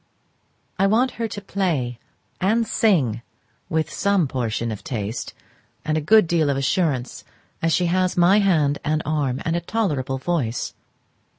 I want her to play and sing with some portion of taste and a good deal of assurance, as she has my hand and arm and a tolerable voice.